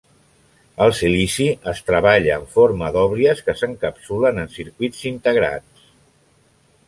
El silici es treballa en forma d'oblies que s'encapsulen en circuits integrats.